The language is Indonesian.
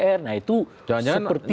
karena itu seperti